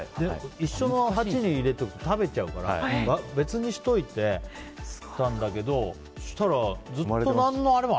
一緒の鉢に入れておくと食べちゃうから別にしておいたんだけどそうしたら、ずっと何のあれも。